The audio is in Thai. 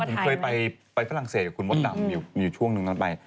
แต่ตอนนั้นผมเคยไปฝรั่งเศสกับคุณมดดำอยู่ช่วงนึงนั้นไป